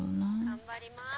頑張ります。